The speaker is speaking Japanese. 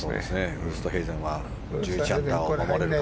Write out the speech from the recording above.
ウーストヘイゼンは１１アンダーを守れるか。